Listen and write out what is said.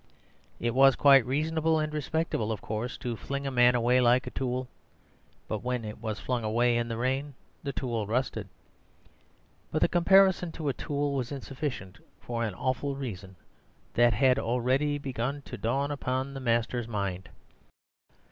It was quite reasonable and respectable, of course, to fling a man away like a tool; but when it was flung away in the rain the tool rusted. But the comparison to a tool was insufficient for an awful reason that had already begun to dawn upon the master's mind.